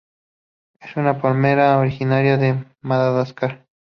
Es una palmera originaria de Madagascar.